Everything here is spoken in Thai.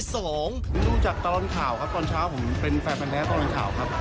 ดูจากตลอดข่าวครับตอนเช้าผมเป็นแฟนฟันแท้ตลอดข่าวครับ